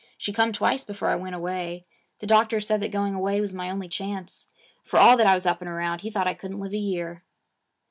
She come twice before I went away. The doctor said that going away was my only chance. For all that I was up and around, he thought I couldn't live a year.'